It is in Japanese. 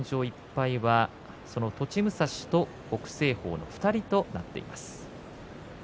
１敗が栃武蔵と北青鵬の２人となっています。